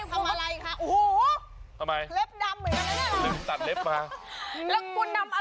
อะไรทำอะไรคะอูหูทำไมเล็บดำเหมือนกันเลยน่ะเล็บตัดเล็บมา